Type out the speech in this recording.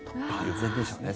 万全でしょうね